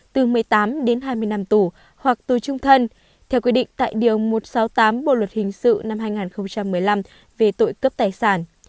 từ một mươi tám đến hai mươi năm tù hoặc tù trung thân theo quy định tại điều một trăm sáu mươi tám bộ luật hình sự năm hai nghìn một mươi năm về tội cướp tài sản